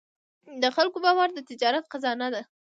د خلکو باور د تجارت خزانه ده.